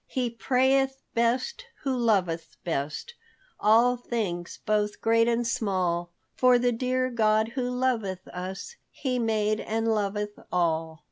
"He prayeth best who loveth best All things both great and small, For the dear God who loveth us He made and loveth all."